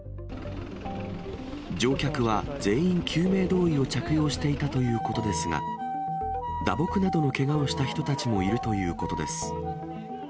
乗客は全員、救命胴衣を着用していたということですが、打撲などのけがをした人たちもいるということです。